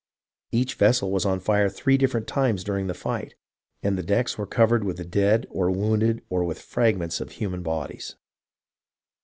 Each vessel was on fire three different times during the fight, and the decks were covered with the dead or wounded or with fragments of human bodies.